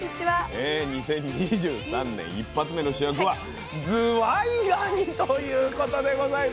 ２０２３年一発目の主役はずわいがにということでございますよ。